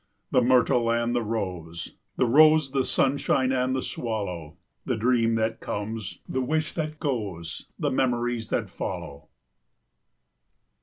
The myrtle and the rose, the rose, The sunshine and the swallow, The dream that comes, the wish that goes The memories that follow!